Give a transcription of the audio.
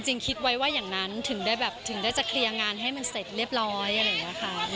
คิดไว้ว่าอย่างนั้นถึงได้แบบถึงได้จะเคลียร์งานให้มันเสร็จเรียบร้อยอะไรอย่างนี้ค่ะ